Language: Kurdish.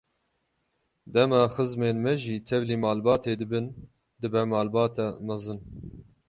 Dema xizmên me jî tevlî malbatê dibin, dibe malbata mezin.